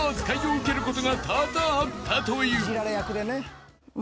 受けることが多々あったという］